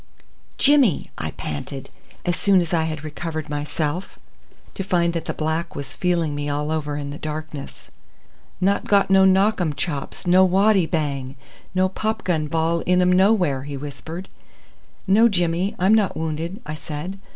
"Jimmy!" I panted, as soon as I had recovered myself to find that the black was feeling me all over in the darkness. "Not got no knock um chops, no waddy bang, no popgun ball in um nowhere," he whispered. "No Jimmy, I'm not wounded," I said.